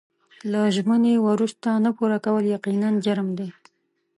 له ژمنې وروسته نه پوره کول یقیناً جرم دی.